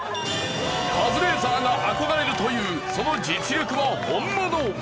カズレーザーが憧れるというその実力は本物！